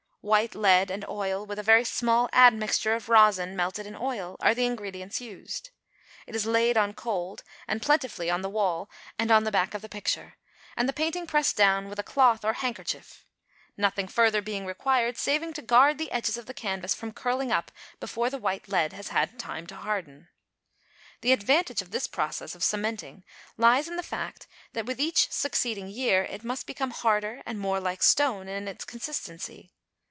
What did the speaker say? White lead and oil, with a very small admixture of rosin melted in oil, are the ingredients used. It is laid on cold and plentifully on the wall and on the back of the picture, and the painting pressed down with a cloth or handkerchief: nothing further being required, saving to guard the edges of the canvas from curling up before the white lead has had time to harden. The advantage of this process of cementing lies in the fact that with each succeeding year it must become harder and more like stone in its consistency.